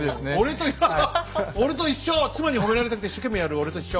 妻に褒められたくて一生懸命やる俺と一緒。